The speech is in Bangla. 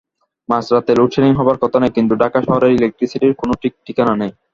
মাঝরাতে লোডশেডিং হবার কথা নয়, কিন্তু ঢাকা শহরের ইলেকট্রিসিটির কোনো ঠিক-ঠিকানা নেই।